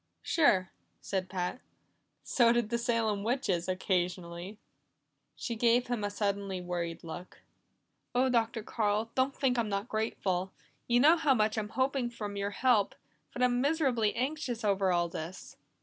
"Sure," said Pat. "So did the Salem witches occasionally." She gave him a suddenly worried look. "Oh, Dr. Carl, don't think I'm not grateful! You know how much I'm hoping from your help, but I'm miserably anxious over all this."